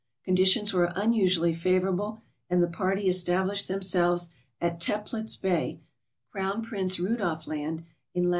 Conditions were unusually favorable, and the party established themselves at Teplitz Bay, Crown Prince Rudolf Land, in lat.